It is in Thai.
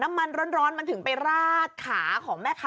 น้ำมันร้อนมันถึงไปราดขาของแม่ค้า